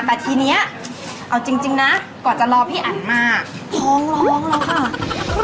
แต่ทีนี้เอาจริงนะก่อนจะรอพี่อันมาท้องร้องแล้วค่ะ